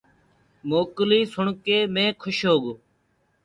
موڪلي سُڻ ڪي مينٚ کوش هوگو۔